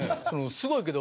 すごいけど。